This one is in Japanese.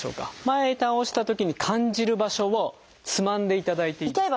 前へ倒したときに感じる場所をつまんでいただいていいですか。